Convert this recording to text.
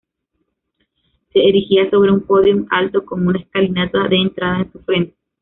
Se erigía sobre un "podium" alto con una escalinata de entrada en su frente.